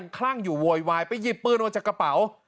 คลั่งอยู่โวยวายไปหยิบปืนออกจากกระเป๋า